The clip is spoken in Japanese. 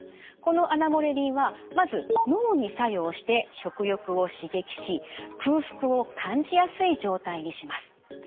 このアナモレリンはまず脳に作用して食欲を刺激し空腹を感じやすい状態にします。